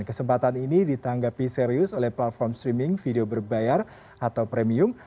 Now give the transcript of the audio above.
kesempatan ini ditanggapi serius oleh platform streaming video berbayar atau premium